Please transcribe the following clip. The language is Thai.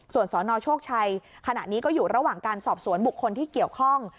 ส่วนสนโชคชัยขณะนี้ก็อยู่ระหว่างการสอบสวนบุคคลที่เกี่ยวข้อง